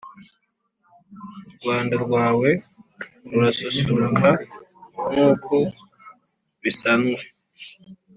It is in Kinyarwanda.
u rwanda rwawe rurasusuruka nkuko bisanwe